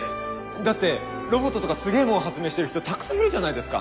だってロボットとかすげぇもん発明してる人たくさんいるじゃないですか。